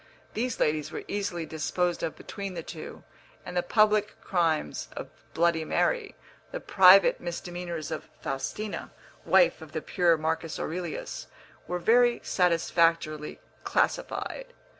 These ladies were easily disposed of between the two, and the public crimes of Bloody Mary, the private misdemeanours of Faustina, wife of the pure Marcus Aurelius, were very satisfactorily classified.